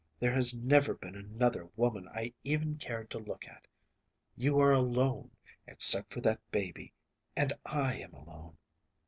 There has never been another woman I even cared to look at. You are alone, except for that baby, and I am alone.